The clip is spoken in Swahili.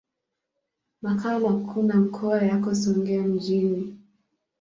Makao makuu ya mkoa yako Songea mjini.